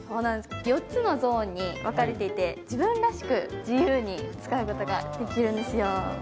４つのゾーンに分かれていて自分らしく自由に使うことができるんですよ。